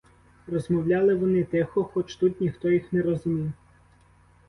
Розмовляли вони тихо, хоч тут ніхто їх не розумів.